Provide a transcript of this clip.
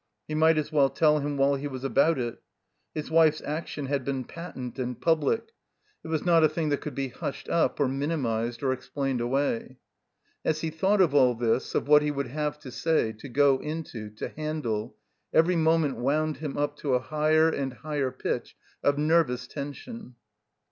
He might as well tell him while he was about it. His wife's action had been patent and public; it 358 THE COMBINED MAZE was not a thing that could be hushed up, or mini mized, or explained away. As he thought of all tiiis, of what he would have to say, to go into, to handle, every moment woimd him up to a higher and higher pitch of nervous tension.